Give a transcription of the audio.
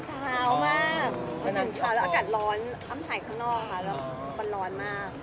กว่าจะได้นอนก็ตีสงคราม๑แล้ว